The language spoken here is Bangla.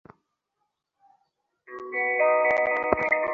দামিনী হাত জোড় করিয়া বলিল, তুমি আমার গুরু।